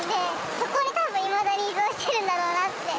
そこにたぶんいまだに依存してるんだろうなって。